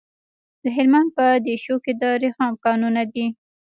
د هلمند په دیشو کې د رخام کانونه دي.